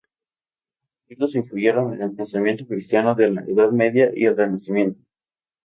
Sus escritos influyeron en el pensamiento cristiano de la Edad Media y el Renacimiento.